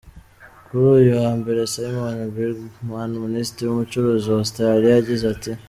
Kuri uyu wa mbere, Simon Birmingham, minisitiri w'ubucuruzi wa Australia, yagize ati:.